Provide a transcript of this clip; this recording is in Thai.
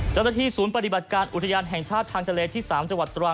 จัดที่ศูนย์ปฏิบัติการอุทยานแห่งชาติทางทะเลที่๓จตร